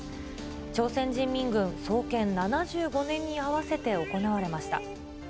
朝鮮人民軍創建７５年に合わせて行われました。